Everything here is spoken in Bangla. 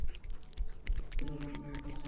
ও এইমাত্র বললো একথা।